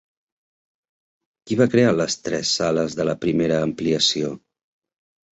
Qui va crear les tres sales de la primera ampliació?